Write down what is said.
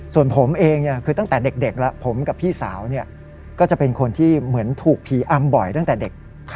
ส่วนผมเองคือตั้งแต่เด็กแล้วผมกับพี่สาวก็จะเป็นคนที่เหมือนถูกผีอำบ่อยตั้งแต่เด็ก